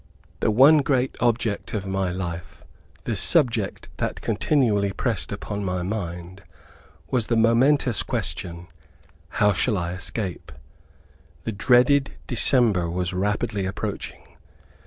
The one great object of my life; the subject that continually pressed upon my mind was the momentous question, how shall I escape? The dreaded December was rapidly approaching.